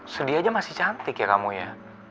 studi aja masih cantik ya kamu ya